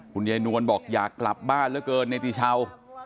คุณยายนวลบอกอยากกลับบ้านแล้วเกินเหน็ดตีเช้า